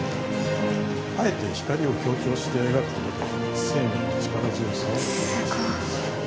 あえて光を強調して描くことで生命の力強さをすごっ・